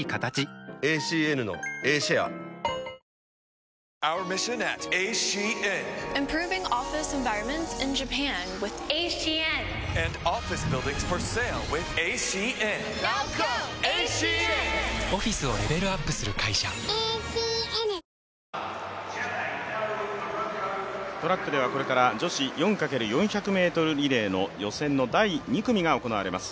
僕の名前は「Ｄ−ＲＯＯＭ」見学会やりますトラックではこれから女子４×４００ｍリレーの予選の第２組が行われます。